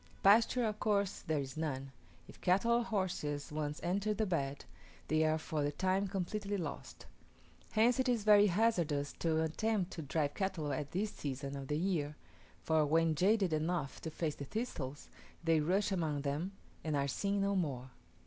Pasture, of course there is none; if cattle or horses once enter the bed, they are for the time completely lost. Hence it is very hazardous to attempt to drive cattle at this season of the year; for when jaded enough to face the thistles, they rush among them, and are seen no more.